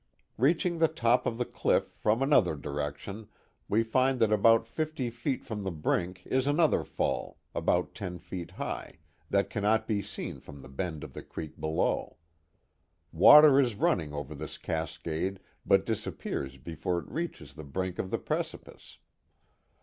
Reaching the top of the cliff from another direction we find that about fifty feet from the brink is another fall, about ten feet high, that cannot be seen from the bed of the creek below. Water is running over this cascade, but disappears before it reaches the biink of the precipice.